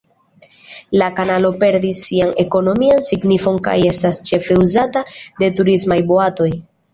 La kanalo perdis sian ekonomian signifon kaj estas ĉefe uzata de turismaj boatoj.